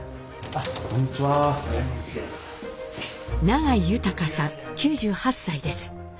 永井有さん９８歳です。